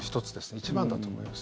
一番だと思います。